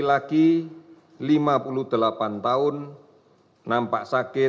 wawalan pemberhentian february delapan belas sampe hari ini